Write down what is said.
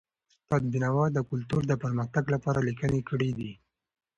استاد بینوا د کلتور د پرمختګ لپاره لیکني کړي دي.